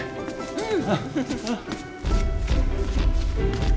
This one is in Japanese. うん。